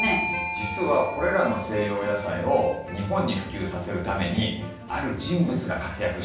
実はこれらの西洋野菜を日本に普及させるためにある人物が活躍したんです。